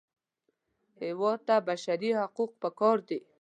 هېواد ته بشري حقوق پکار دي